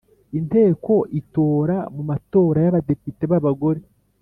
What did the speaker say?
Inteko itora mu matora y’ Abadepite babagore